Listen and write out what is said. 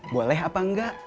boleh apa enggak